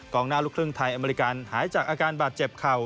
หน้าลูกครึ่งไทยอเมริกันหายจากอาการบาดเจ็บเข่า